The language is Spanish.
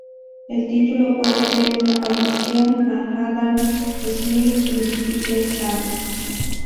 El título puede ser una alusión a Adam Smith "invisible hand".